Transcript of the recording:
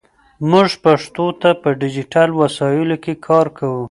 موږ پښتو ته په ډیجیټل وسایلو کې کار کوو.